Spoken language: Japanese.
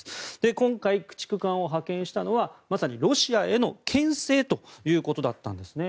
今回、駆逐艦を派遣したのはまさに、ロシアへの牽制ということだったんですね。